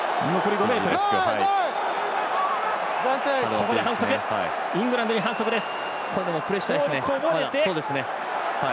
ここで反則イングランドに反則です。